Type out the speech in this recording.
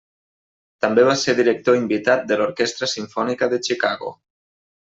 També va ser director invitat de l'Orquestra Simfònica de Chicago.